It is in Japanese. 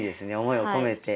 思いを込めて。